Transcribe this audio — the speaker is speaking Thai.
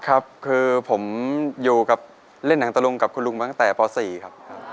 ครับคือผมอยู่กับเล่นหนังตะลุงกับคุณลุงมาตั้งแต่ป๔ครับ